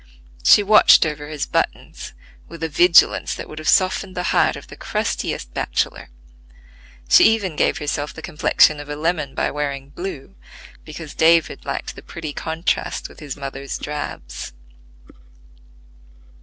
She watched over his buttons with a vigilance that would have softened the heart of the crustiest bachelor: she even gave herself the complexion of a lemon by wearing blue, because David liked the pretty contrast with his mother's drabs.